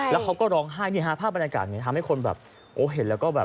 แล้วเขาก็ร้องไห้ภาพบรรยากาศนี้ทำให้คนเห็นแล้วก็